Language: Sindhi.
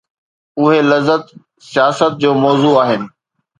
اهي لذت، سياست جو موضوع آهن.